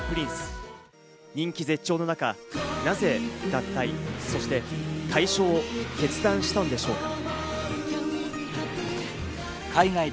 人気絶頂の中、まぜ脱退、そして退所を決断したのでしょうか？